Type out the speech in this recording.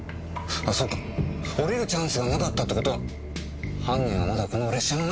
そうか降りるチャンスがなかったって事は犯人はまだこの列車の中！